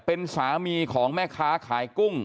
เป็นสามีของแม่ค้าขายกุ้ง